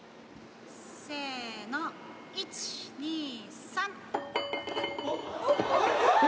せーの、１、２、３。